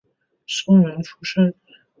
生员出身。